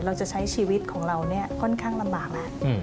เราจะใช้ชีวิตของเราเนี่ยค่อนข้างลำบากแล้ว